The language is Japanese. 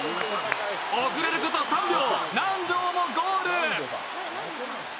遅れること３秒、南條もゴール。